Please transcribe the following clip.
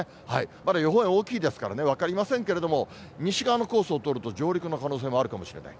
まだ予報円大きいですからね、分かりませんけれども、西側のコースを通ると上陸の可能性もあるかもしれない。